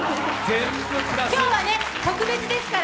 今日は特別ですから。